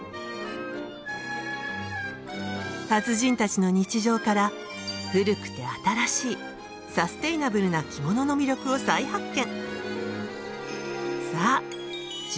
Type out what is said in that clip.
達人たちの日常から古くて新しいサステイナブルな着物の魅力を再発見！